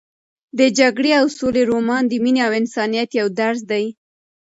د جګړې او سولې رومان د مینې او انسانیت یو درس دی.